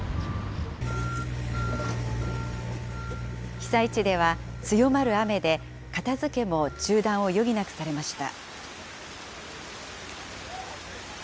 被災地では、強まる雨で片づけも中断を余儀なくされました。